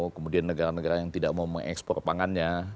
kemudian negara negara yang tidak mau mengekspor pangannya